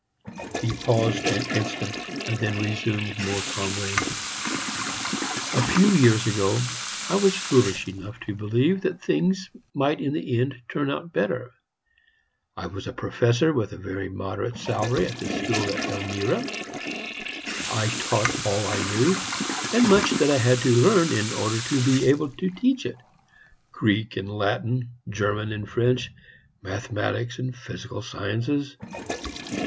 He paused an instant, and then resumed, more calmly: "A few years ago I was foolish enough to believe that things might in the end turn out better. I was a professor with a very moderate salary at the school at Elmira. I taught all I knew, and much that I had to learn in order to be able to teach it Greek and Latin, German and French, mathematics and physical sciences.